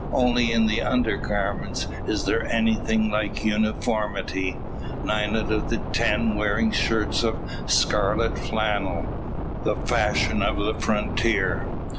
Only in the under garment is there anything like uniformity; nine out of ten wearing shirts of scarlet flannel the fashion of the frontier.